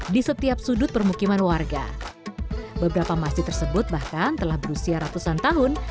di setiap sudut permukiman warga beberapa masjid tersebut bahkan telah berusia ratusan tahun